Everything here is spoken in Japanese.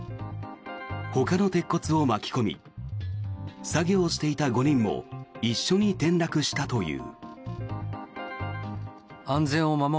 ほかの鉄骨を巻き込み作業していた５人も一緒に転落したという。